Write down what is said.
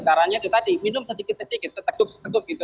seperti tadi minum sedikit sedikit setegup setegup gitu